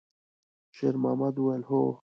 شېرمحمد وویل: «هو.»